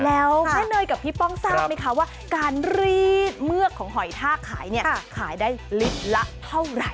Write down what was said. แล้วแม่เนยกับพี่ป้องทราบไหมคะว่าการรีดเมือกของหอยท่าขายเนี่ยขายได้ลิตรละเท่าไหร่